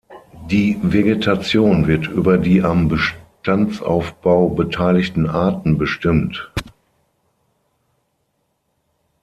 Die Vegetation wird über die am Bestandsaufbau beteiligten Arten bestimmt.